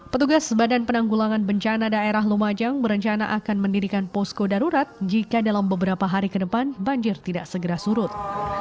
petugas badan penanggulangan bencana daerah lumajang berencana akan mendirikan posko darurat jika dalam beberapa hari ke depan banjir tidak segera surut